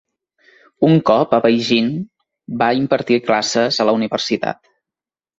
Un cop a Beijing va impartir classes a la universitat.